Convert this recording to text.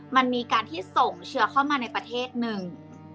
มันมีการที่ส่งเชื้อเข้ามาในประเทศหนึ่ง